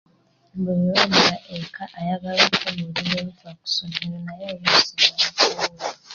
Buli lwadda eka ayagala okumbuulira ebifa ku ssomero naye oluusi mba mukoowu.